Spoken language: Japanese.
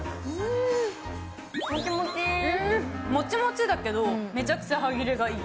もちもちだけどめちゃくちゃ歯切れがいい。